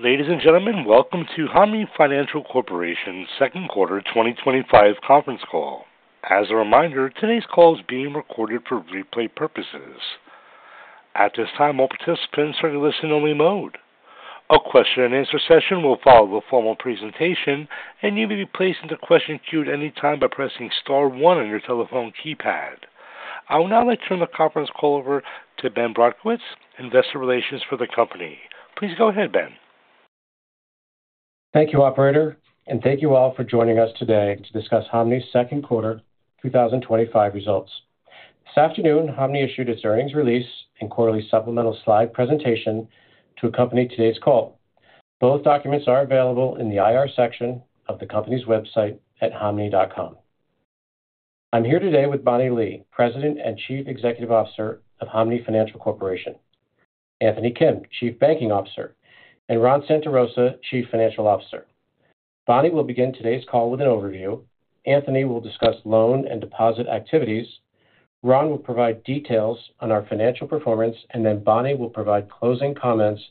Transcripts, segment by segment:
Ladies and gentlemen, welcome to Hanmi Financial Corporation's second quarter 2025 conference call. As a reminder, today's call is being recorded for replay purposes. At this time, all participants are in listen-only mode. A question-and-answer session will follow the formal presentation, and you may be placed into question queue at any time by pressing star one on your telephone keypad. I will now turn the conference call over to Ben Brodkowitz, Investor Relations for the company. Please go ahead, Ben. Thank you, operator, and thank you all for joining us today to discuss Hanmi Financial Corporation's second quarter 2025 results. This afternoon, Hanmi issued its earnings release and quarterly supplemental slide presentation to accompany today's call. Both documents are available in the IR section of the company's website at hanmi.com. I'm here today with Bonnie Lee, President and Chief Executive Officer of Hanmi Financial Corporation, Anthony Kim, Chief Banking Officer, and Ron Santarosa, Chief Financial Officer. Bonnie will begin today's call with an overview. Anthony will discuss loan and deposit activities. Ron will provide details on our financial performance, and then Bonnie will provide closing comments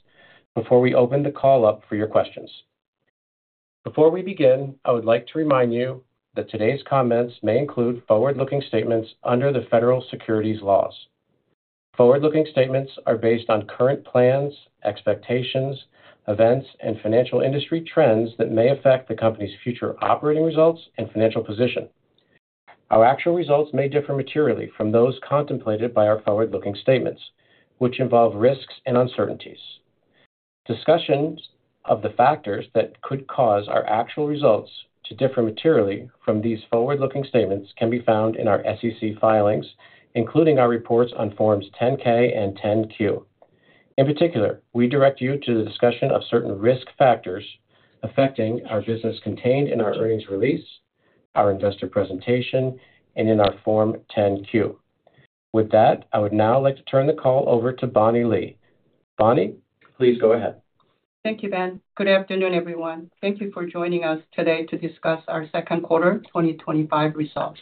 before we open the call up for your questions. Before we begin, I would like to remind you that today's comments may include forward-looking statements under the Federal Securities Laws. Forward-looking statements are based on current plans, expectations, events, and financial industry trends that may affect the company's future operating results and financial position. Our actual results may differ materially from those contemplated by our forward-looking statements, which involve risks and uncertainties. Discussions of the factors that could cause our actual results to differ materially from these forward-looking statements can be found in our SEC filings, including our reports on Forms 10-K and 10-Q. In particular, we direct you to the discussion of certain risk factors affecting our business contained in our earnings release, our investor presentation, and in our Form 10-Q. With that, I would now like to turn the call over to Bonnie Lee. Bonnie, please go ahead. Thank you, Ben. Good afternoon, everyone. Thank you for joining us today to discuss our second quarter 2025 results.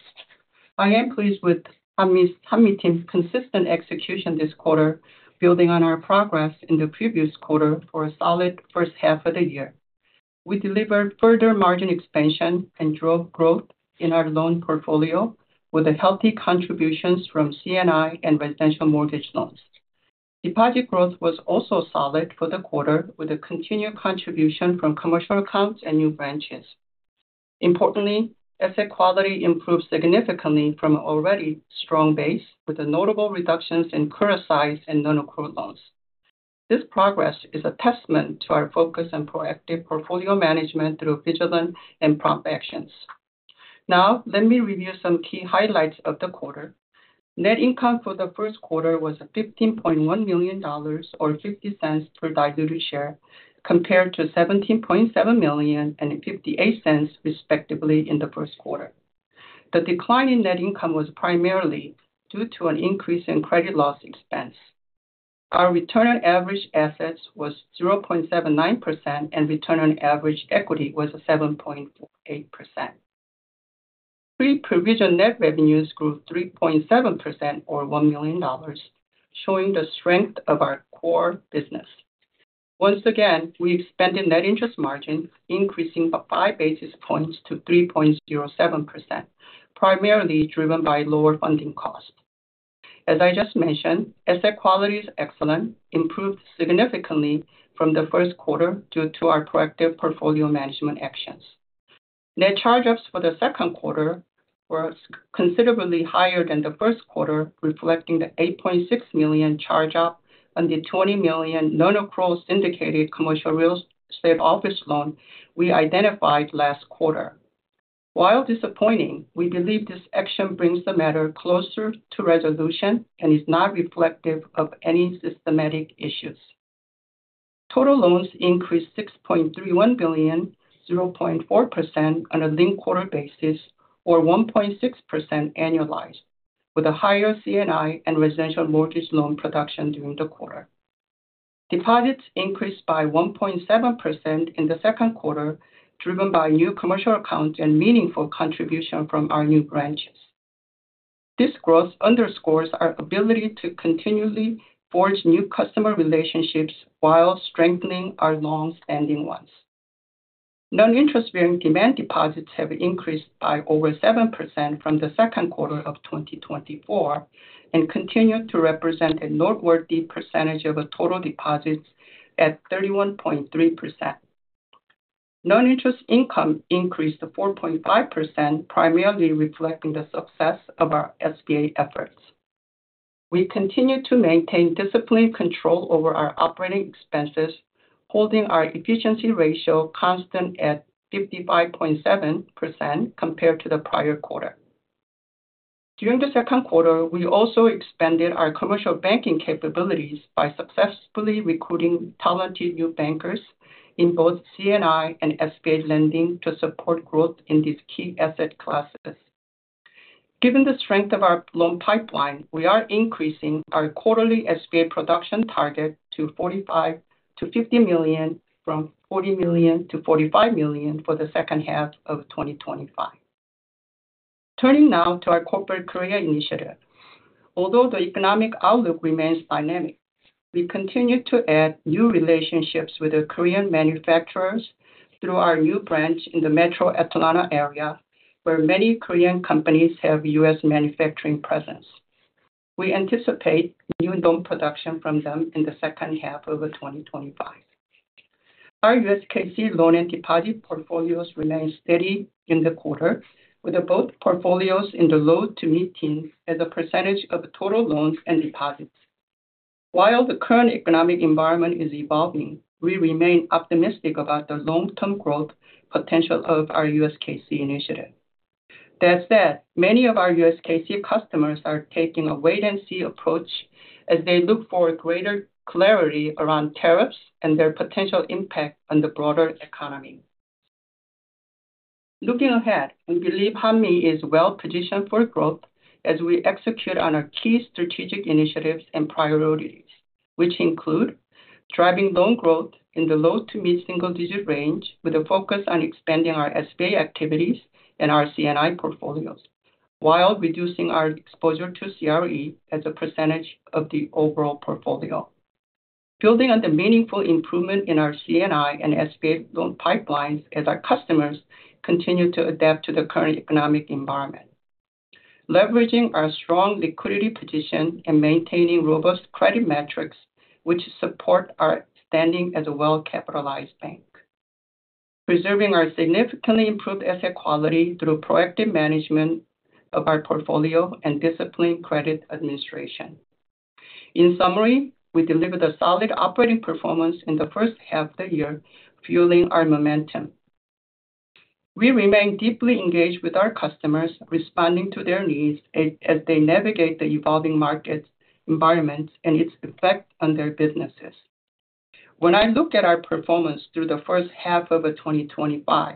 I am pleased with Hanmi Financial Corporation's consistent execution this quarter, building on our progress in the previous quarter for a solid first half of the year. We delivered further margin expansion and growth in our loan portfolio with healthy contributions from commercial and industrial and residential mortgage loans. Deposit growth was also solid for the quarter, with a continued contribution from commercial accounts and new branches. Importantly, asset quality improved significantly from an already strong base, with notable reductions in criticized and non-accrual loans. This progress is a testament to our focus on proactive portfolio management through vigilant and prompt actions. Now, let me review some key highlights of the quarter. Net income for the second quarter was $15.1 million or $0.50 per diluted share, compared to $17.7 million and $0.58 respectively in the first quarter. The decline in net income was primarily due to an increase in credit loss expense. Our return on average assets was 0.79%, and return on average equity was 7.8%. Pre-provision net revenues grew 3.7% or $1 million, showing the strength of our core business. Once again, we expanded net interest margin, increasing by five basis points to 3.07%, primarily driven by lower funding costs. As I just mentioned, asset quality is excellent, improved significantly from the first quarter due to our proactive portfolio management actions. Net charge-offs for the second quarter were considerably higher than the first quarter, reflecting the $8.6 million charge-off and the $20 million non-accrual syndicated commercial real estate office loan we identified last quarter. While disappointing, we believe this action brings the matter closer to resolution and is not reflective of any systemic issues. Total loans increased to $6.31 billion, 0.4% on a linked quarter basis, or 1.6% annualized, with higher commercial and industrial and residential mortgage loan production during the quarter. Deposits increased by 1.7% in the second quarter, driven by new commercial accounts and meaningful contributions from our new branches. This growth underscores our ability to continually forge new customer relationships while strengthening our long-standing ones. Non-interest-bearing demand deposits have increased by over 7% from the second quarter of 2024 and continue to represent a noteworthy percentage of total deposits at 31.3%. Non-interest income increased to 4.5%, primarily reflecting the success of our SBA efforts. We continue to maintain disciplined control over our operating expenses, holding our efficiency ratio constant at 55.7% compared to the prior quarter. During the second quarter, we also expanded our commercial banking capabilities by successfully recruiting talented new bankers in both C&I and SBA lending to support growth in these key asset classes. Given the strength of our loan pipeline, we are increasing our quarterly SBA production target to $45 million-$40 million for the second half of 2025. Turning now to our corporate Korea initiative, although the economic outlook remains dynamic, we continue to add new relationships with the Korean manufacturers through our new branch in the metro Atlanta area, where many Korean companies have U.S. manufacturing presence. We anticipate new loan production from them in the second half of 2025. Our USKC loan and deposit portfolios remain steady in the quarter, with both portfolios in the low to mid-teens as a percentage of total loans and deposits. While the current economic environment is evolving, we remain optimistic about the long-term growth potential of our USKC initiative. That said, many of our USKC customers are taking a wait-and-see approach as they look for greater clarity around tariffs and their potential impact on the broader economy. Looking ahead, we believe Hanmi Financial Corporation is well-positioned for growth as we execute on our key strategic initiatives and priorities, which include driving loan growth in the low to mid-single-digit range, with a focus on expanding our SBA activities and our C&I portfolios, while reducing our exposure to CRE as a percentage of the overall portfolio. Building on the meaningful improvement in our C&I and SBA loan pipelines as our customers continue to adapt to the current economic environment, leveraging our strong liquidity position and maintaining robust credit metrics, which support our standing as a well-capitalized bank, preserving our significantly improved asset quality through proactive management of our portfolio and disciplined credit administration. In summary, we delivered a solid operating performance in the first half of the year, fueling our momentum. We remain deeply engaged with our customers, responding to their needs as they navigate the evolving market environment and its effects on their businesses. When I look at our performance through the first half of 2025,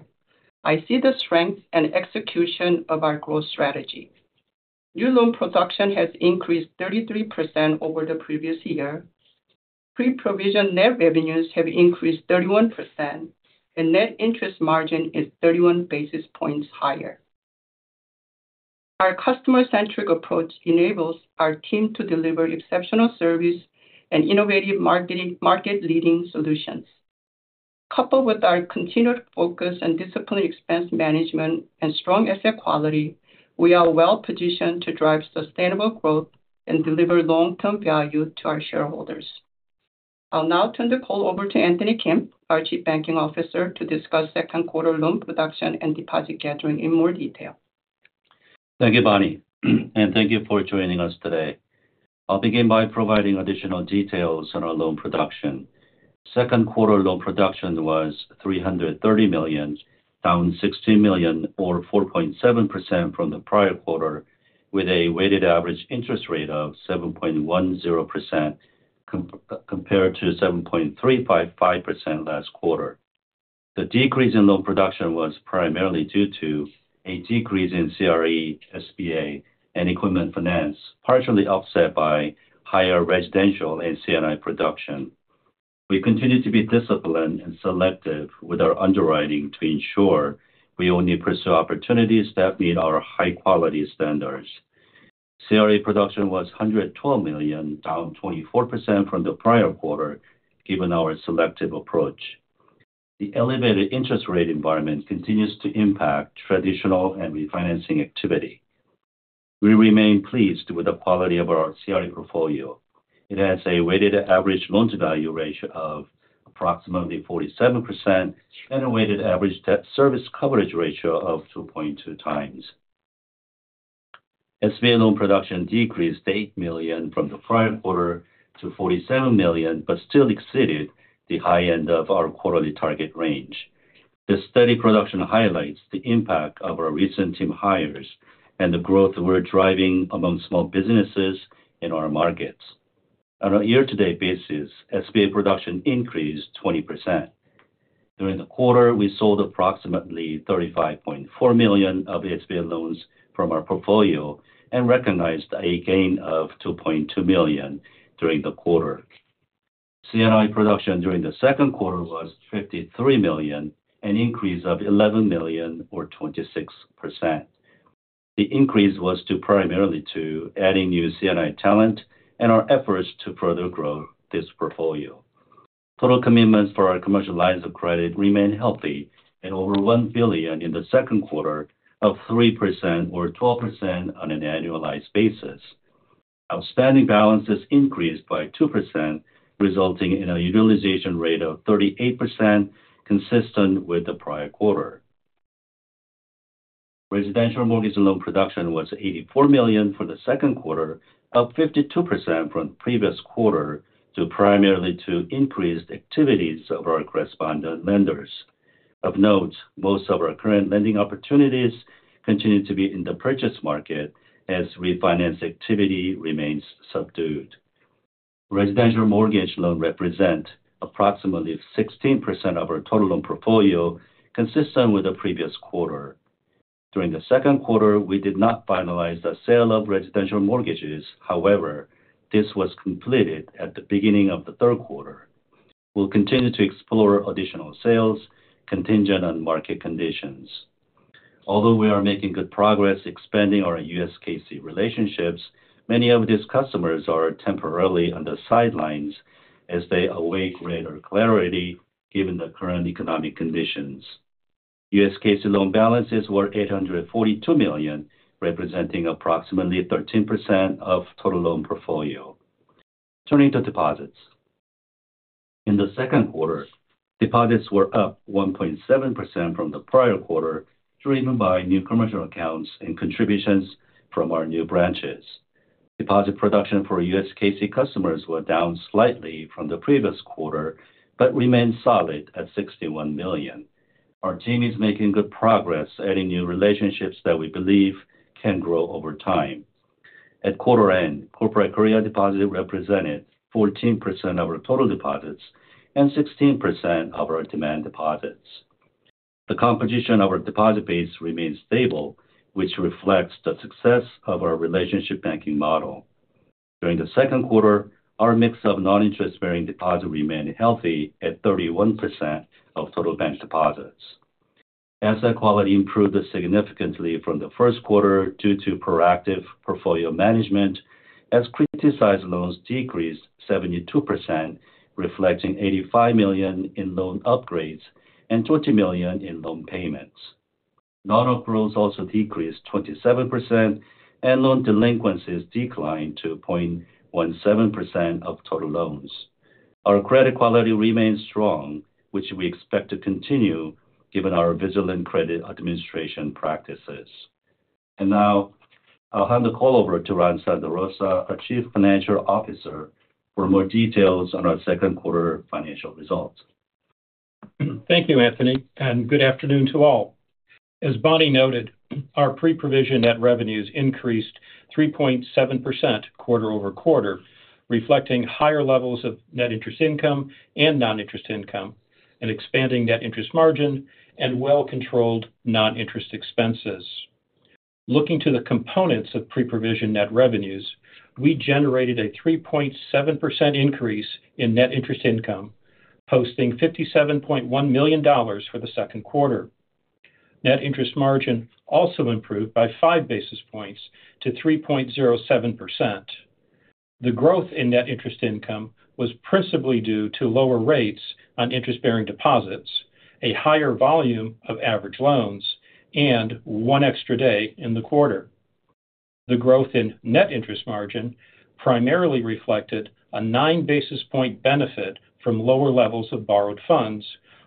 I see the strength and execution of our growth strategy. New loan production has increased 33% over the previous year. Pre-provision net revenues have increased 31%, and net interest margin is 31 basis points higher. Our customer-centric approach enables our team to deliver exceptional service and innovative market-leading solutions. Coupled with our continued focus on disciplined expense management and strong asset quality, we are well-positioned to drive sustainable growth and deliver long-term value to our shareholders. I'll now turn the call over to Anthony Kim, our Chief Banking Officer, to discuss second quarter loan production and deposit gathering in more detail. Thank you, Bonnie, and thank you for joining us today. I'll begin by providing additional details on our loan production. Second quarter loan production was $330 million, down $16 million or 4.7% from the prior quarter, with a weighted average interest rate of 7.10% compared to 7.355% last quarter. The decrease in loan production was primarily due to a decrease in commercial real estate, Small Business Administration loans, and equipment finance, partially offset by higher residential and commercial and industrial production. We continue to be disciplined and selective with our underwriting to ensure we only pursue opportunities that meet our high-quality standards. Commercial real estate production was $112 million, down 24% from the prior quarter, given our selective approach. The elevated interest rate environment continues to impact traditional and refinancing activity. We remain pleased with the quality of our commercial real estate portfolio. It has a weighted average loan-to-value ratio of approximately 47% and a weighted average debt service coverage ratio of 2.2x. Small Business Administration loan production decreased $8 million from the prior quarter to $47 million, but still exceeded the high end of our quarterly target range. This steady production highlights the impact of our recent team hires and the growth we're driving among small businesses in our markets. On a year-to-date basis, Small Business Administration production increased 20%. During the quarter, we sold approximately $35.4 million of Small Business Administration loans from our portfolio and recognized a gain of $2.2 million during the quarter. Commercial and industrial production during the second quarter was $53 million, an increase of $11 million or 26%. The increase was primarily due to adding new commercial and industrial talent and our efforts to further grow this portfolio. Total commitments for our commercial lines of credit remain healthy at over $1 billion in the second quarter, up 3% or 12% on an annualized basis. Outstanding balances increased by 2%, resulting in a utilization rate of 38%, consistent with the prior quarter. Residential mortgage loan production was $84 million for the second quarter, up 52% from the previous quarter, primarily due to increased activities of our correspondent lenders. Of note, most of our current lending opportunities continue to be in the purchase market as refinance activity remains subdued. Residential mortgage loans represent approximately 16% of our total loan portfolio, consistent with the previous quarter. During the second quarter, we did not finalize the sale of residential mortgage loans; however, this was completed at the beginning of the third quarter. We'll continue to explore additional sales, contingent on market conditions. Although we are making good progress expanding our US-Korea Corporate (USKC) relationships, many of these customers are temporarily on the sidelines as they await greater clarity given the current economic conditions. USKC loan balances were $842 million, representing approximately 13% of the total loan portfolio. Turning to deposits, in the second quarter, deposits were up 1.7% from the prior quarter, driven by new commercial accounts and contributions from our new branches. Deposit production for USKC customers was down slightly from the previous quarter but remains solid at $61 million. Our team is making good progress, adding new relationships that we believe can grow over time. At quarter end, corporate Korea deposits represented 14% of our total deposits and 16% of our demand deposits. The composition of our deposit base remains stable, which reflects the success of our relationship banking model. During the second quarter, our mix of non-interest-bearing deposits remained healthy at 31% of total bank deposits. Asset quality improved significantly from the first quarter due to proactive portfolio management, as criticized loans decreased 72%, reflecting $85 million in loan upgrades and $20 million in loan payments. Non-accrual loans also decreased 27%, and loan delinquencies declined to 0.17% of total loans. Our credit quality remains strong, which we expect to continue given our vigilant credit administration practices. I will now hand the call over to Ron Santarosa, our Chief Financial Officer, for more details on our second quarter financial results. Thank you, Anthony, and good afternoon to all. As Bonnie noted, our pre-provision net revenues increased 3.7% quarter over quarter, reflecting higher levels of net interest income and non-interest income, an expanding net interest margin, and well-controlled non-interest expenses. Looking to the components of pre-provision net revenues, we generated a 3.7% increase in net interest income, posting $57.1 million for the second quarter. Net interest margin also improved by five basis points to 3.07%. The growth in net interest income was principally due to lower rates on interest-bearing deposits, a higher volume of average loans, and one extra day in the quarter. The growth in net interest margin primarily reflected a nine-basis-point benefit from lower levels of borrowed funds,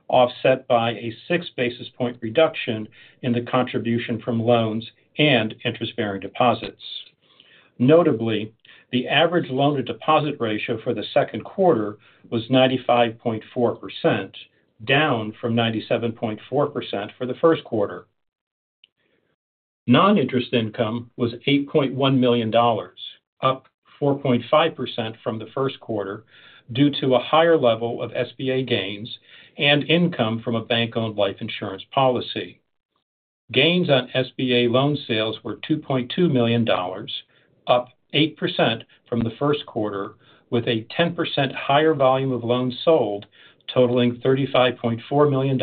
offset by a six-basis-point reduction in the contribution from loans and interest-bearing deposits. Notably, the average loan-to-deposit ratio for the second quarter was 95.4%, down from 97.4% for the first quarter. Non-interest income was $8.1 million, up 4.5% from the first quarter due to a higher level of SBA gains and income from a bank-owned life insurance policy. Gains on SBA loan sales were $2.2 million, up 8% from the first quarter, with a 10% higher volume of loans sold, totaling $35.4 million,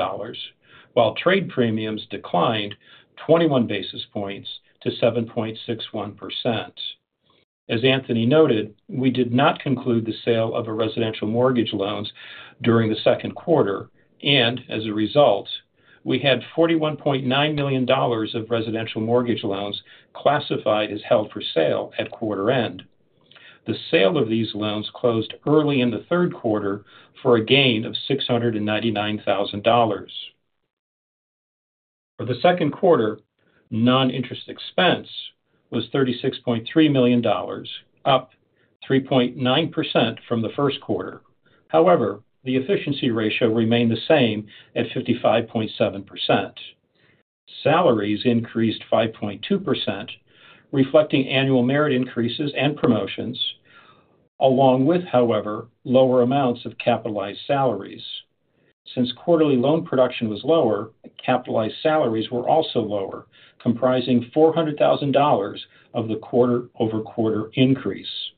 while trade premiums declined 21 basis points to 7.61%. As Anthony noted, we did not conclude the sale of residential mortgage loans during the second quarter, and as a result, we had $41.9 million of residential mortgage loans classified as held for sale at quarter end. The sale of these loans closed early in the third quarter for a gain of $699,000. For the second quarter, non-interest expense was $36.3 million, up 3.9% from the first quarter. However, the efficiency ratio remained the same at 55.7%. Salaries increased 5.2%, reflecting annual merit increases and promotions, along with, however, lower amounts of capitalized salaries. Since quarterly loan production was lower, capitalized salaries were also lower, comprising $400,000 of the quarter-over-quarter increase.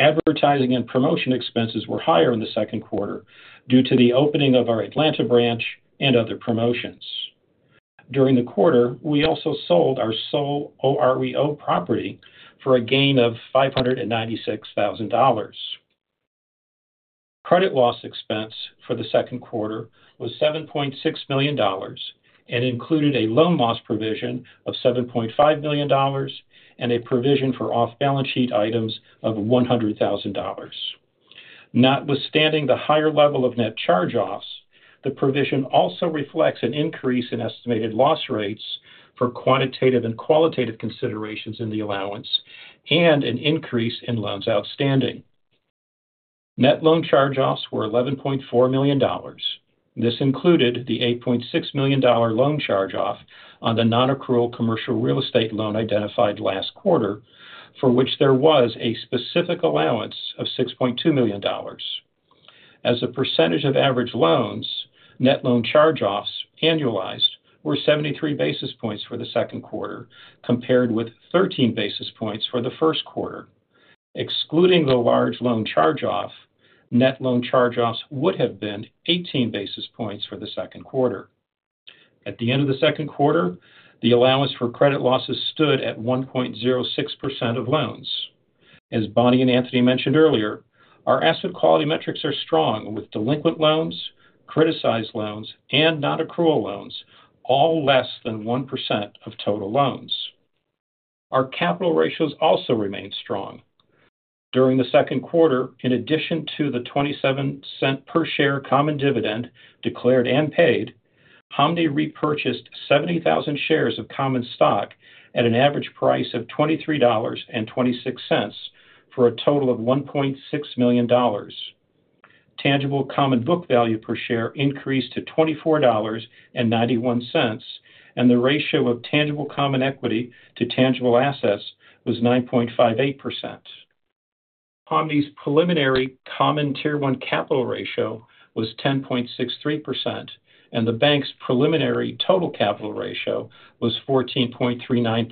Advertising and promotion expenses were higher in the second quarter due to the opening of our Atlanta branch and other promotions. During the quarter, we also sold our sole OREO property for a gain of $596,000. Credit loss expense for the second quarter was $7.6 million and included a loan loss provision of $7.5 million and a provision for off-balance sheet items of $100,000. Notwithstanding the higher level of net charge-offs, the provision also reflects an increase in estimated loss rates for quantitative and qualitative considerations in the allowance and an increase in loans outstanding. Net loan charge-offs were $11.4 million. This included the $8.6 million loan charge-off on the non-accrual commercial real estate loan identified last quarter, for which there was a specific allowance of $6.2 million. As a percentage of average loans, net loan charge-offs annualized were 73 basis points for the second quarter, compared with 13 basis points for the first quarter. Excluding the large loan charge-off, net loan charge-offs would have been 18 basis points for the second quarter. At the end of the second quarter, the allowance for credit losses stood at 1.06% of loans. As Bonnie and Anthony mentioned earlier, our asset quality metrics are strong, with delinquent loans, criticized loans, and non-accrual loans all less than 1% of total loans. Our capital ratios also remain strong. During the second quarter, in addition to the $0.27 per share common dividend declared and paid, Hanmi Financial Corporation repurchased 70,000 shares of common stock at an average price of $23.26 for a total of $1.6 million. Tangible common book value per share increased to $24.91, and the ratio of tangible common equity to tangible assets was 9.58%. Hanmi's preliminary common tier one capital ratio was 10.63%, and the bank's preliminary total capital ratio was 14.39%.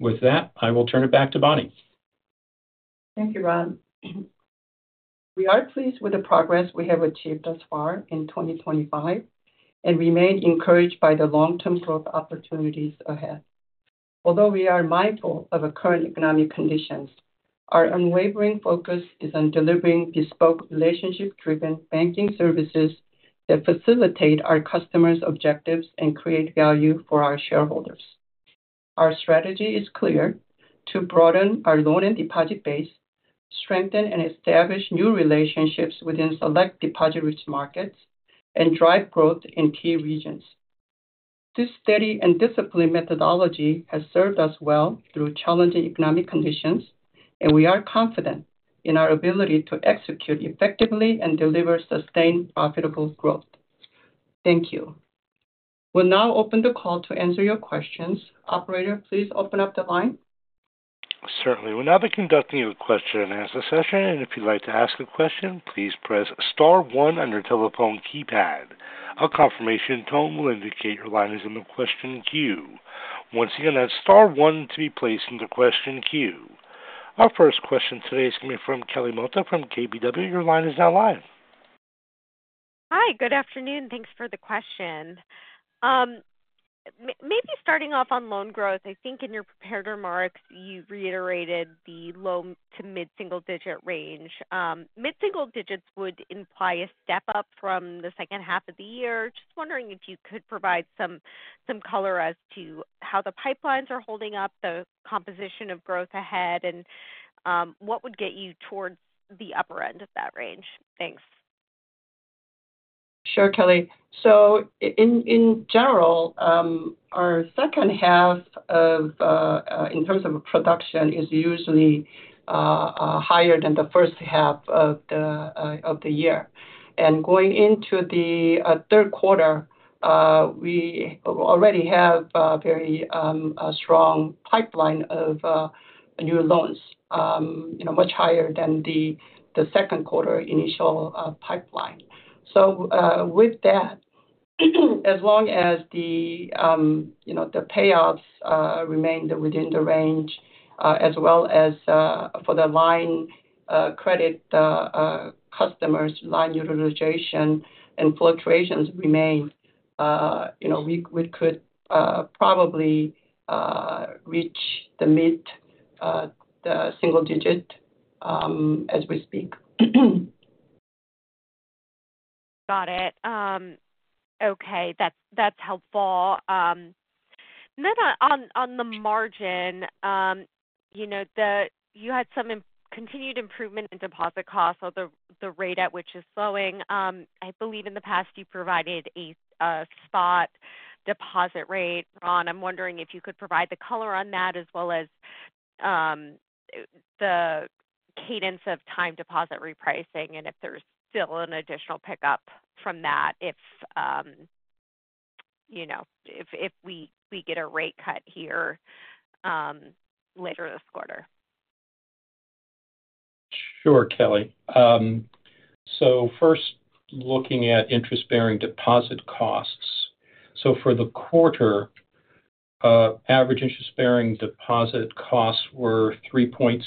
With that, I will turn it back to Bonnie. Thank you, Ron. We are pleased with the progress we have achieved thus far in 2025 and remain encouraged by the long-term growth opportunities ahead. Although we are mindful of the current economic conditions, our unwavering focus is on delivering bespoke relationship-driven banking services that facilitate our customers' objectives and create value for our shareholders. Our strategy is clear: to broaden our loan and deposit base, strengthen and establish new relationships within select deposit-rich markets, and drive growth in key regions. This steady and disciplined methodology has served us well through challenging economic conditions, and we are confident in our ability to execute effectively and deliver sustained, profitable growth. Thank you. We'll now open the call to answer your questions. Operator, please open up the line. Certainly. We'll now be conducting a question-and-answer session, and if you'd like to ask a question, please press star one on your telephone keypad. A confirmation tone will indicate your line is in the question queue. Once again, that's star one to be placed in the question queue. Our first question today is coming from Kelly Motta from KBW. Your line is now live. Hi, good afternoon. Thanks for the question. Maybe starting off on loan growth, I think in your prepared remarks, you reiterated the low to mid-single-digit range. Mid-single digits would imply a step up from the second half of the year. Just wondering if you could provide some color as to how the pipelines are holding up, the composition of growth ahead, and what would get you towards the upper end of that range. Thanks. Sure, Kelly. In general, our second half in terms of production is usually higher than the first half of the year. Going into the third quarter, we already have a very strong pipeline of new loans, much higher than the second quarter initial pipeline. With that, as long as the payouts remain within the range, as well as for the line credit customers, line utilization and fluctuations remain, we could probably reach the mid-single digit as we speak. Got it. Okay, that's helpful. On the margin, you had some continued improvement in deposit costs or the rate at which it's slowing. I believe in the past you provided a spot deposit rate. Ron, I'm wondering if you could provide the color on that as well as the cadence of time deposit repricing and if there's still an additional pickup from that if we get a rate cut here later this quarter. Sure, Kelly. First, looking at interest-bearing deposit costs. For the quarter, average interest-bearing deposit costs were 3.64%.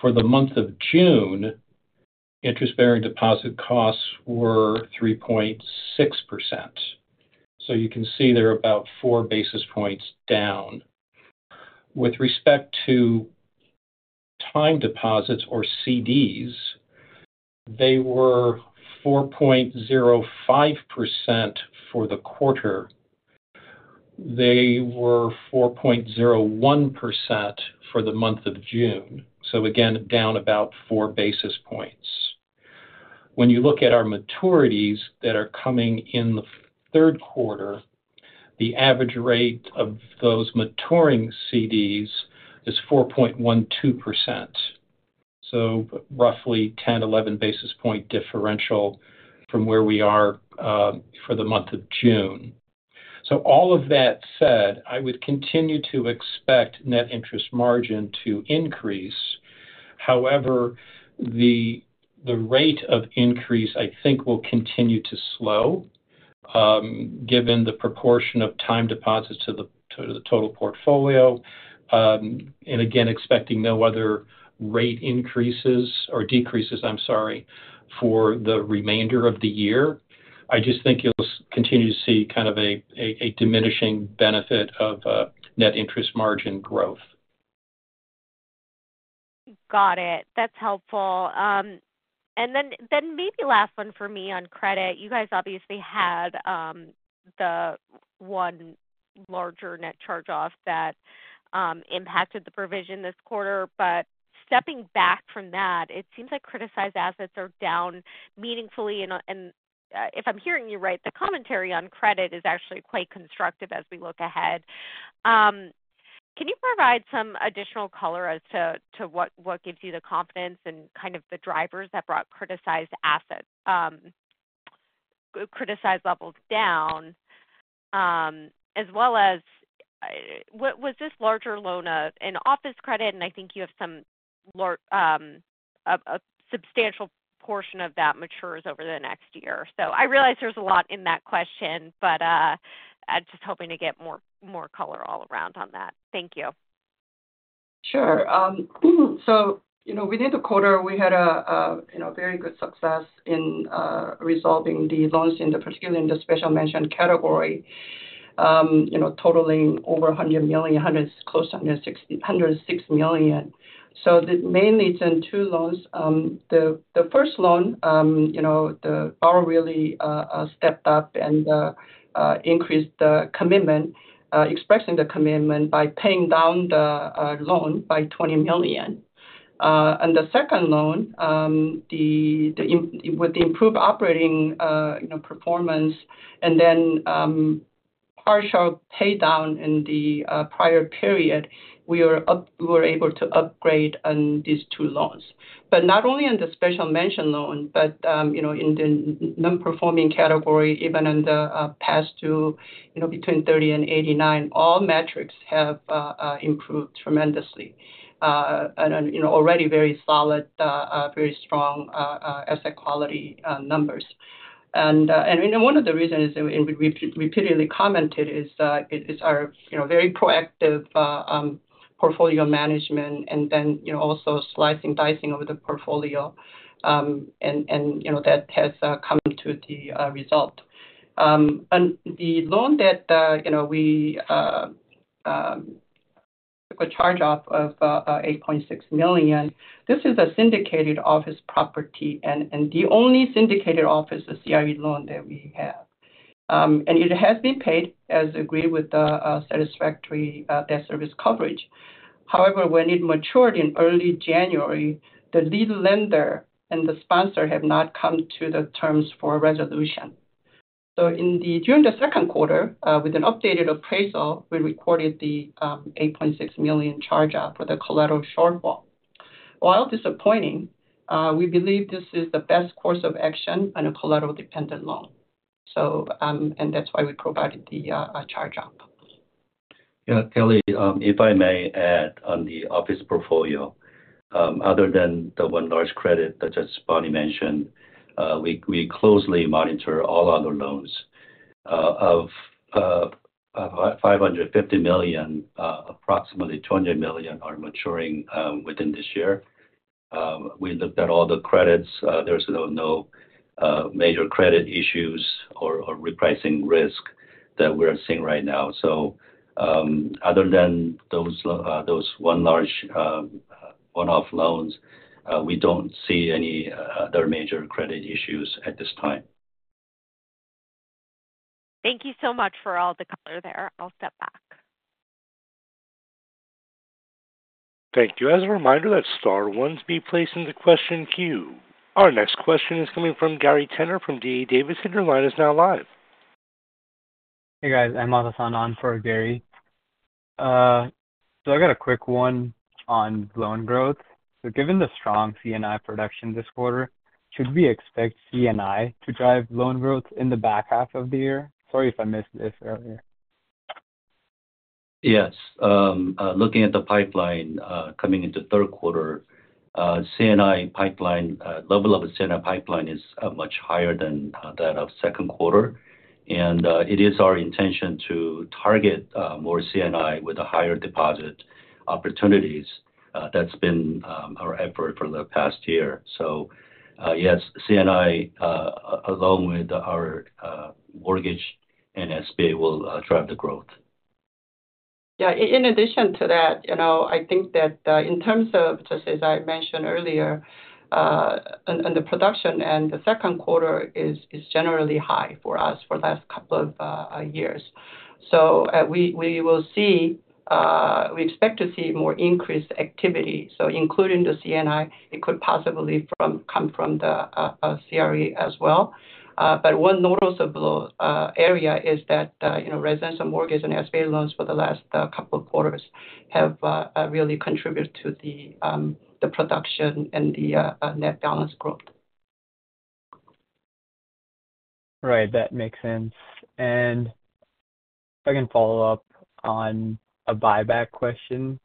For the month of June, interest-bearing deposit costs were 3.6%. You can see they're about four basis points down. With respect to time deposits or CDs, they were 4.05% for the quarter and 4.01% for the month of June. Again, down about four basis points. When you look at our maturities that are coming in the third quarter, the average rate of those maturing CDs is 4.12%. That is roughly a 10-11 basis point differential from where we are for the month of June. All of that said, I would continue to expect net interest margin to increase. However, the rate of increase, I think, will continue to slow given the proportion of time deposits to the total portfolio. Again, expecting no other rate increases or decreases for the remainder of the year. I just think you'll continue to see kind of a diminishing benefit of net interest margin growth. Got it. That's helpful. Maybe last one for me on credit. You guys obviously had the one larger net charge-off that impacted the provision this quarter. Stepping back from that, it seems like criticized assets are down meaningfully. If I'm hearing you right, the commentary on credit is actually quite constructive as we look ahead. Can you provide some additional color as to what gives you the confidence and the drivers that brought criticized assets, criticized levels down, as well as was this larger loan an office credit? I think you have a substantial portion of that matures over the next year. I realize there's a lot in that question, but I'm just hoping to get more color all around on that. Thank you. Sure. Within the quarter, we had very good success in resolving the loans, particularly in the special mention category, totaling over $100 million, close to $106 million. Mainly it's in two loans. The first loan, the R really stepped up and increased the commitment, expressing the commitment by paying down the loan by $20 million. The second loan, with improved operating performance and then partial paydown in the prior period, we were able to upgrade on these two loans. Not only on the special mention loan, but in the non-performing category, even on the past due, between 30 and 89, all metrics have improved tremendously. Already very solid, very strong asset quality numbers. One of the reasons we repeatedly commented is our very proactive portfolio management and also slicing and dicing of the portfolio. That has come to the result. The loan that we took a charge-off of $8.6 million, this is a syndicated office property and the only syndicated office CRE loan that we have. It has been paid as agreed with satisfactory debt service coverage. However, when it matured in early January, the lead lender and the sponsor have not come to the terms for resolution. During the second quarter, with an updated appraisal, we recorded the $8.6 million charge-off for the collateral shortfall. While disappointing, we believe this is the best course of action on a collateral-dependent loan. That's why we provided the charge-off. Yeah, Kelly, if I may add on the office portfolio, other than the one large credit that Bonnie just mentioned, we closely monitor all other loans of $550 million. Approximately $200 million are maturing within this year. We looked at all the credits. There's no major credit issues or repricing risk that we're seeing right now. Other than those one large one-off loans, we don't see any other major credit issues at this time. Thank you so much for all the color there. I'll step back. Thank you. As a reminder, that's star one to be placed in the question queue. Our next question is coming from Gary Tenner from D.A. Davidson, and your line is now live. Hey, guys. I'm Addison on for Gary. I got a quick one on loan growth. Given the strong C&I production this quarter, should we expect C&I to drive loan growth in the back half of the year? Sorry if I missed this earlier. Yes. Looking at the pipeline coming into the third quarter, the C&I pipeline, the level of the C&I pipeline is much higher than that of the second quarter. It is our intention to target more C&I with higher deposit opportunities. That's been our effort for the past year. Yes, C&I, along with our mortgage and SBA, will drive the growth. Yeah, in addition to that, I think that in terms of, just as I mentioned earlier, the production in the second quarter is generally high for us for the last couple of years. We expect to see more increased activity, including the commercial and industrial loans. It could possibly come from the commercial real estate loans as well. One noticeable area is that residential mortgage and Small Business Administration (SBA) loans for the last couple of quarters have really contributed to the production and the net balance growth. Right, that makes sense. If I can follow up on a buyback question,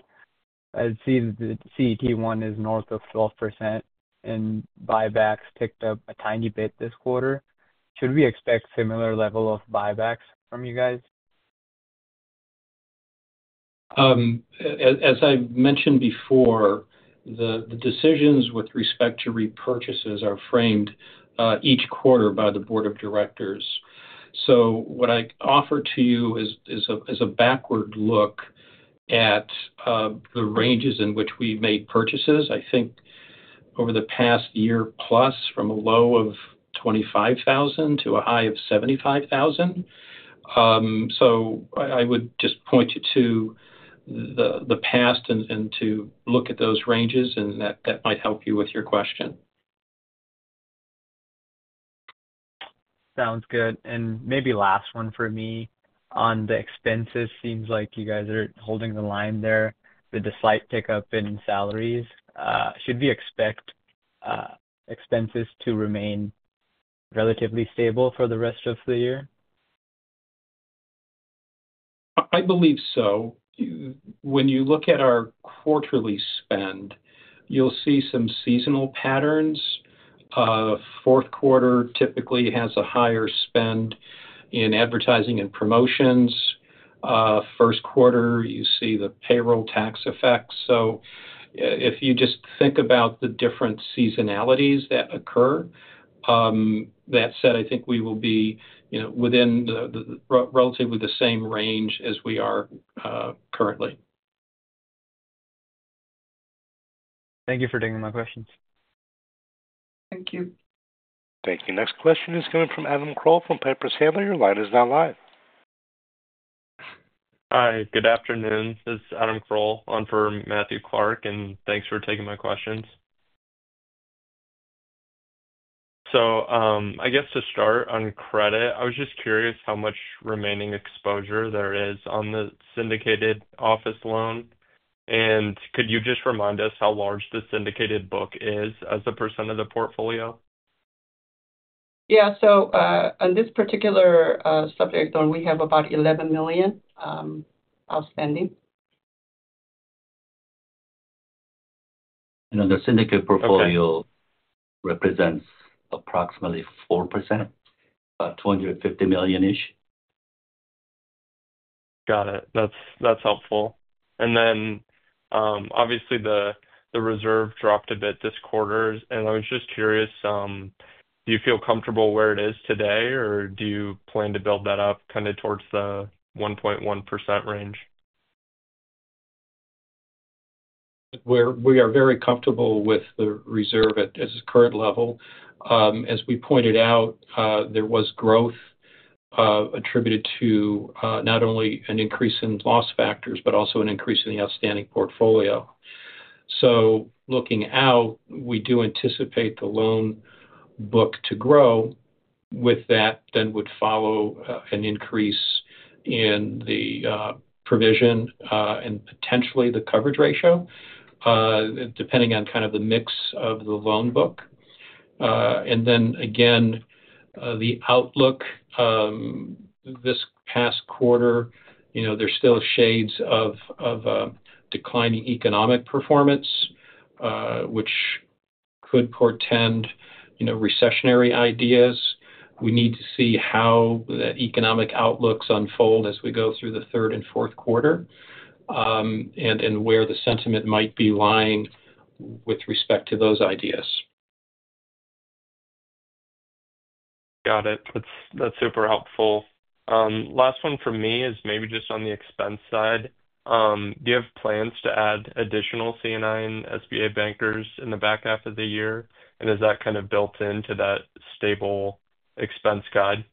I see that the CET1 is north of 12% and buybacks ticked up a tiny bit this quarter. Should we expect a similar level of buybacks from you guys? As I mentioned before, the decisions with respect to repurchases are framed each quarter by the Board of Directors. What I offer to you is a backward look at the ranges in which we made purchases. I think over the past year plus, from a low of $25,000 to a high of $75,000. I would just point you to the past and to look at those ranges, and that might help you with your question. Sounds good. Maybe last one for me on the expenses. Seems like you guys are holding the line there with the slight pickup in salaries. Should we expect expenses to remain relatively stable for the rest of the year? I believe so. When you look at our quarterly spend, you'll see some seasonal patterns. Fourth quarter typically has a higher spend in advertising and promotions. First quarter, you see the payroll tax effects. If you just think about the different seasonalities that occur, that said, I think we will be within relatively the same range as we are currently. Thank you for taking my questions. Thank you. Thank you. Next question is coming from Adam Kroll from Piper Sandler. Your line is now live. Hi, good afternoon. This is Adam Kroll on for Matthew Clark, and thanks for taking my questions. I was just curious how much remaining exposure there is on the syndicated office loan. Could you just remind us how large the syndicated book is as a percent of the portfolio? Yeah, on this particular subject loan, we have about $11 million outstanding. The syndicated portfolio represents approximately 4%, about $250 million. Got it. That's helpful. Obviously, the reserve dropped a bit this quarter. I was just curious, do you feel comfortable where it is today, or do you plan to build that up kind of towards the 1.1% range? We are very comfortable with the reserve at its current level. As we pointed out, there was growth attributed to not only an increase in loss factors, but also an increase in the outstanding portfolio. Looking out, we do anticipate the loan book to grow. With that, an increase in the provision and potentially the coverage ratio would follow, depending on the mix of the loan book. The outlook this past quarter, you know, there's still shades of declining economic performance, which could portend recessionary ideas. We need to see how that economic outlook unfolds as we go through the third and fourth quarter and where the sentiment might be lying with respect to those ideas. Got it. That's super helpful. Last one for me is maybe just on the expense side. Do you have plans to add additional C&I and SBA bankers in the back half of the year? Is that kind of built into that stable expense guide?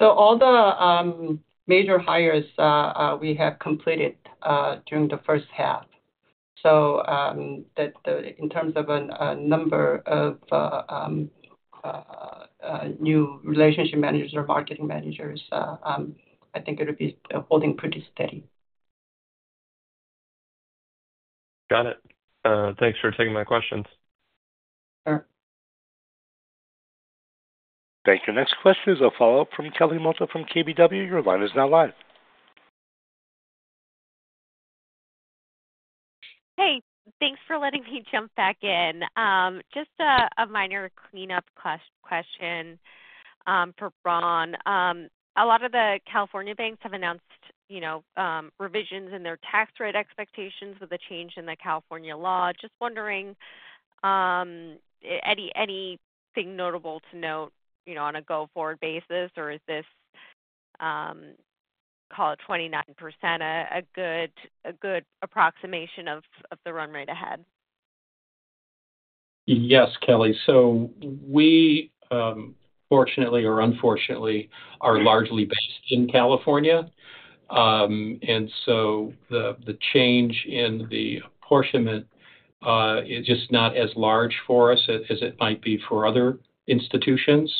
All the major hires we have completed during the first half. In terms of a number of new relationship managers or marketing managers, I think it'll be holding pretty steady. Got it. Thanks for taking my questions. Sure. Thank you. Next question is a follow-up from Kelly Motta from KBW. Your line is now live. Hey, thanks for letting me jump back in. Just a minor cleanup question for Ron. A lot of the California banks have announced revisions in their tax rate expectations with a change in the California law. Just wondering, Ron, anything notable to note on a go-forward basis, or is this, call it 29%, a good approximation of the run rate ahead? Yes, Kelly. We, fortunately or unfortunately, are largely based in California. The change in the apportionment is just not as large for us as it might be for other institutions.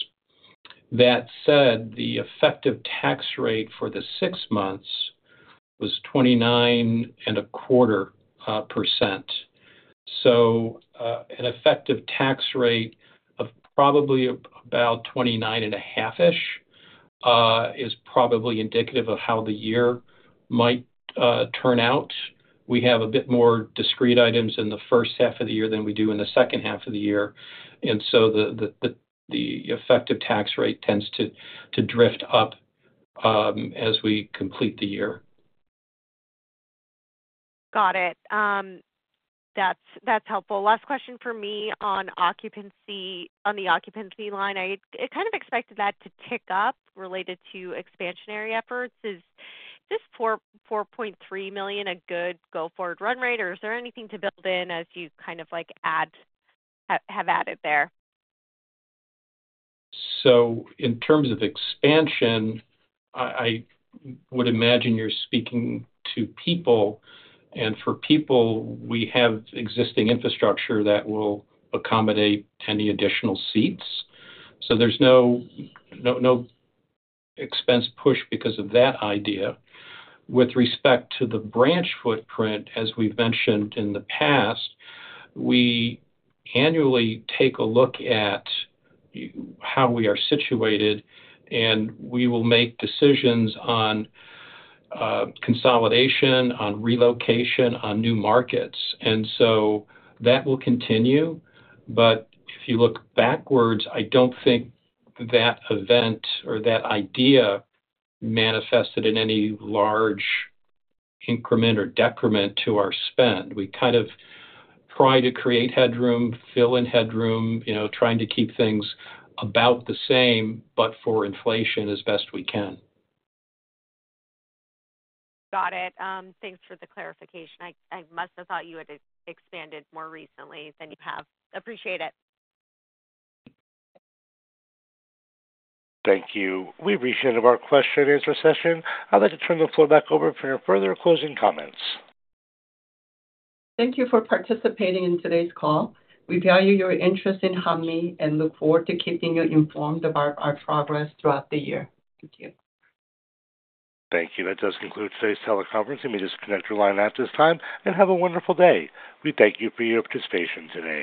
That said, the effective tax rate for the six months was 29.25%. An effective tax rate of probably about 29.5% is probably indicative of how the year might turn out. We have a bit more discrete items in the first half of the year than we do in the second half of the year, so the effective tax rate tends to drift up as we complete the year. Got it. That's helpful. Last question for me on the occupancy line. I kind of expected that to tick up related to expansionary efforts. Is this $4.3 million a good go-forward run rate, or is there anything to build in as you kind of like have added there? In terms of expansion, I would imagine you're speaking to people. For people, we have existing infrastructure that will accommodate any additional seats, so there's no expense push because of that idea. With respect to the branch footprint, as we've mentioned in the past, we annually take a look at how we are situated, and we will make decisions on consolidation, on relocation, on new markets. That will continue. If you look backwards, I don't think that event or that idea manifested in any large increment or decrement to our spend. We kind of try to create headroom, fill in headroom, trying to keep things about the same, but for inflation as best we can. Got it. Thanks for the clarification. I must have thought you had expanded more recently than you have. Appreciate it. Thank you. We wish to end our question-and-answer session. I'd like to turn the floor back over for your further closing comments. Thank you for participating in today's call. We value your interest in Hanmi and look forward to keeping you informed about our progress throughout the year. Thank you. Thank you. That does conclude today's teleconference. You may disconnect your line at this time and have a wonderful day. We thank you for your participation today.